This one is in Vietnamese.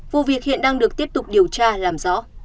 vụ việc hiện đang được tiếp tục điều tra làm rõ